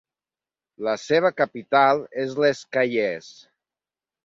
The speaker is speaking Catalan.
La seva capital és Les Cayes.